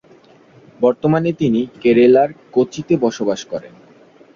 বর্তমানে তিনি কেরালার কোচিতে বসবাস করেন।